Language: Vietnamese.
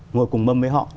ngồi cùng mâm với họ